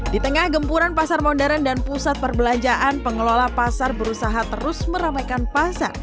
di tengah gempuran pasar modern dan pusat perbelanjaan pengelola pasar berusaha terus meramaikan pasar